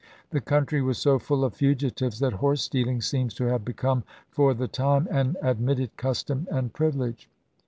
The country was so full of fugitives that horse stealing seems to have become for the time an admitted custom and privilege.